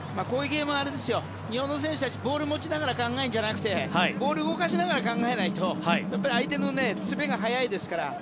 こういうゲームは日本の選手たちはボールを持ちながら考えるんじゃなくてボールを動かしながら考えないと相手の詰めが早いですから。